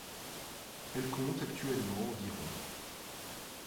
Elle compte actuellement environ.